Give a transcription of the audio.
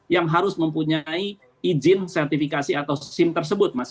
yang harus mempunyai izin sertifikasi atau sim tersebut mas